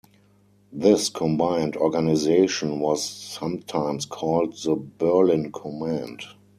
This combined organization was sometimes called the "Berlin Command".